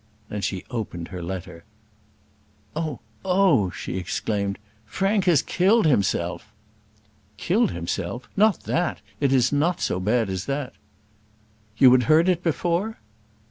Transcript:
Then she opened her letter. "Oh; oh!" she exclaimed, "Frank has killed himself." "Killed himself! Not that. It is not so bad as that." "You had heard it before?"